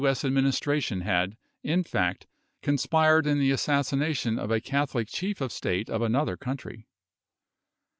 S. admin istration had, in fact, conspired in the assassination of a Catholic chief of state of another country.